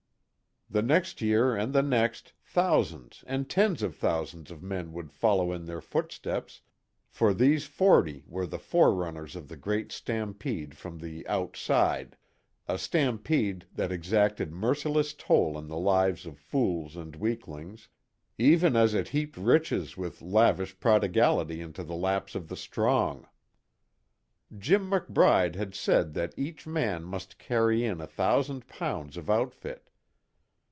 The next year and the next, thousands, and tens of thousands of men would follow in their footsteps, for these forty were the forerunners of the great stampede from the "outside" a stampede that exacted merciless toll in the lives of fools and weaklings, even as it heaped riches with lavish prodigality into the laps of the strong. Jim McBride had said that each man must carry in a thousand pounds of outfit.